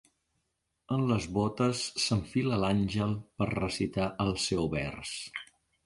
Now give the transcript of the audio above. En les botes s'enfila l'Àngel per recitar el seu vers.